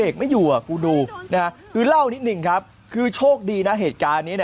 คือเล่านิดหนึ่งครับคือโชคดีนะเหตุการณ์นี้